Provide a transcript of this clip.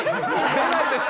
出ないです！